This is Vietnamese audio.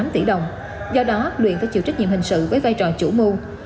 một một trăm linh tám tỷ đồng do đó luyện đã chịu trách nhiệm hình sự với vai trò chủ mưu